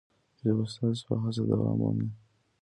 ژبه ستاسو په هڅه دوام مومي.